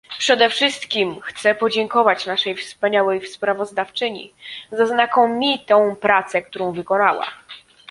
Przede wszystkim chcę podziękować naszej wspaniałej sprawozdawczyni za znakomitą pracę, którą wykonała